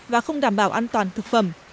và không đảm bảo an toàn thực phẩm